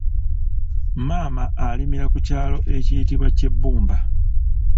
Maama alimira ku kyalo ekiyitibwa Kyebbumba.